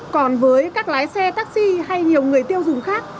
còn với các lái xe taxi hay nhiều người tiêu dùng khác